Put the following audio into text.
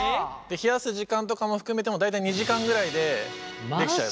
冷やす時間とかも含めても大体２時間ぐらいでできちゃう。